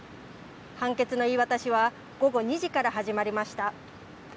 判決の言い渡しは午後２時から始まりました。